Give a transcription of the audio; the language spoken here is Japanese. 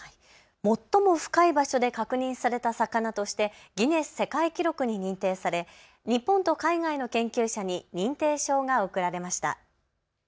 最も深い場所で確認された魚としてギネス世界記録に認定され日本と海外の研究者に認定証が贈られました。